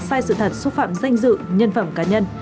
sai sự thật xúc phạm danh dự nhân phẩm cá nhân